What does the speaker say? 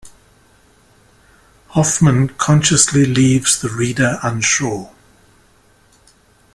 Hoffman consciously leaves the reader unsure.